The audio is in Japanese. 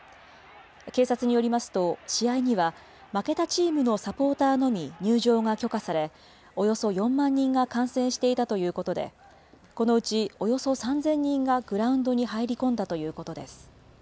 警察によりますと、試合には、負けたチームのサポーターのみ入場が許可され、およそ４万人が観戦していたということで、このうちおよそ３０００人がグラウンドに入り込んだということです。